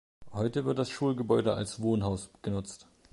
Heute wird das Schulgebäude als Wohnhaus genutzt.